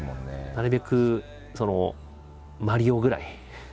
なるべくその「マリオ」ぐらい。